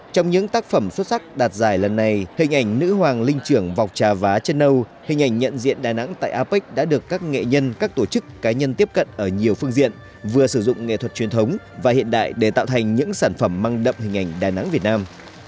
trong những tác phẩm xuất sắc đạt giải lần này hình ảnh nữ hoàng linh trưởng vọc trà vá chân nâu hình ảnh nhận diện đà nẵng tại apec đã được các nghệ nhân các tổ chức cá nhân tiếp cận ở nhiều phương diện vừa sử dụng nghệ thuật truyền thống và hiện đại để tạo thành những sản phẩm mang đậm hình ảnh đà nẵng việt nam